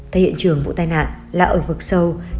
tại hiện trường vụ tai nạn là ở vực sâu